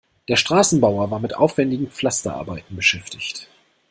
Der Straßenbauer war mit aufwendigen Pflasterarbeiten beschäftigt.